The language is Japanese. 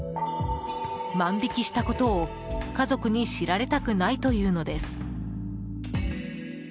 万引きしたことを、家族に知られたくないというのです。